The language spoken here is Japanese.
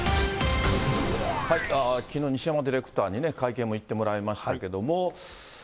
きのう、西山ディレクターに会見も行ってもらいましたけれども。